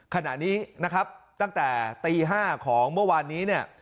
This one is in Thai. ขณะนี้นะครับตั้งแต่ตี๕ของเมื่อวานนี้เนี่ย